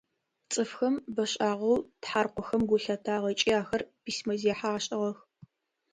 Цӏыфхэм бэшӏагъэу тхьаркъохэм гу лъатагъ ыкӏи ахэр письмэзехьэ ашӏыгъэх.